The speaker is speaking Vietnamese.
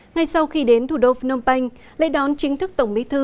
ngay sau khi đến thủ đô phnom penh lễ đón chính thức tổng bí thư